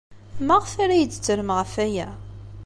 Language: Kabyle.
Maɣef ara iyi-d-tettrem ɣef waya?